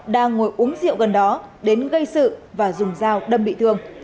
đang ngồi uống rượu gần đó đến gây sự và dùng dao đâm bị thương